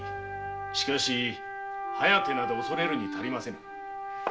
しかし「疾風」など恐れるに足りませぬ。